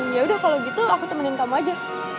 ya udah kalau gitu aku temenin kamu aja